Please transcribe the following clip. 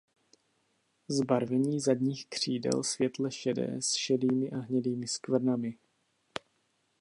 Zbarvení zadních křídel světle šedé s šedými a hnědými skvrnami.